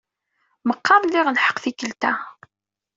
Meqqar liɣ lḥeqq tikkelt-a.